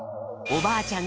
おばあちゃん